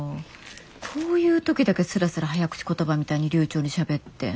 こういう時だけすらすら早口言葉みたいに流ちょうにしゃべって。